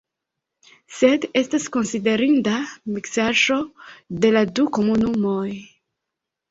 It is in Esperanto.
Sed estas konsiderinda miksaĵo de la du komunumoj.